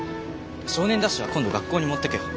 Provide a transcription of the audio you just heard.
「少年ダッシュ」は今度学校に持ってくよ。